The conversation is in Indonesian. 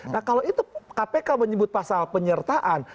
nah kalau itu kpk menyebut pasal penyertaan